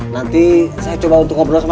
nanti saya coba untuk ngobrol sama dia ya